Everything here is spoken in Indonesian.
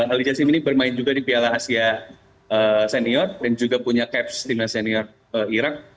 ali jasim ini bermain juga di piala asia senior dan juga punya caps timnas senior irak